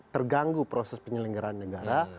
terganggu proses penyelenggaraan negara